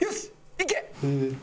いけ！